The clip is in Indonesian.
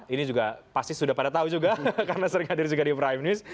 ini juga pasti sudah pada tahu juga karena sering hadir juga di prime news